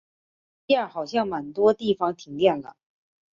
新店好像蛮多地方停电了